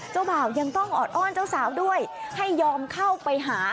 บ่าวยังต้องออดอ้อนเจ้าสาวด้วยให้ยอมเข้าไปหา